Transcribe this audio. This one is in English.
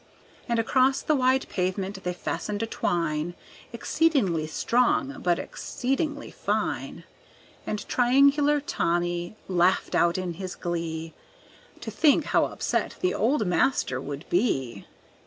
And across the wide pavement they fastened a twine Exceedingly strong but exceedingly fine; And Triangular Tommy laughed out in his glee, To think how upset the old master would be!